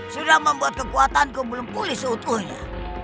sudah membuat kekuatanku belum pulih seutuhnya